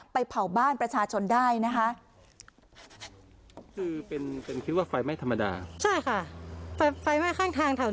เผาบ้านประชาชนได้นะคะ